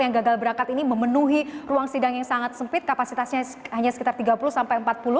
yang gagal berangkat ini memenuhi ruang sidang yang sangat sempit kapasitasnya hanya sekitar tiga puluh sampai empat puluh